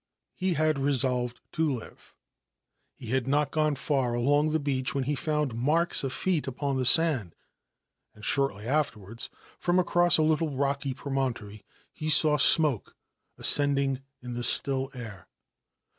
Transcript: He had resolved to live, e had not gone far along the beach when he found marks feet upon the sand, and shortly afterwards, from across little rocky promontory, he saw smoke ascending in the 11 air.